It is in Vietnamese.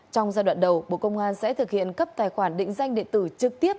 trong giai đoạn đầu bộ công an sẽ thực hiện cấp tài khoản định danh điện tử trực tiếp